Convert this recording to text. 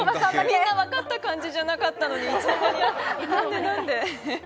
みんな分かった感じじゃなかったのに、いつの間に。